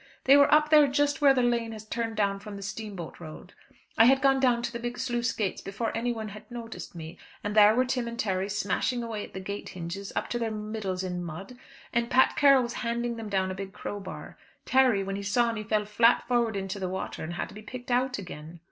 They were up there just where the lane has turned down from the steamboat road. I had gone down to the big sluice gates before anyone had noticed me, and there were Tim and Terry smashing away at the gate hinges, up to their middles in mud; and Pat Carroll was handing them down a big crowbar. Terry, when he saw me, fell flat forward into the water, and had to be picked out again."